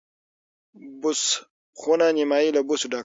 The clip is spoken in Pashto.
بوس خونه نیمایي له بوسو ډکه وه.